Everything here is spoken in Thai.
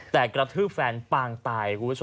แต่กระทืบแฟนปางตายคุณผู้ชม